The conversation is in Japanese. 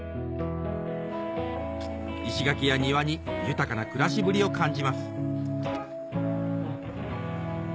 石垣や庭に豊かな暮らしぶりを感じます